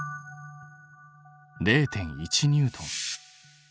０．１ニュートン。